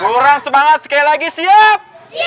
kurang semangat sekali lagi siap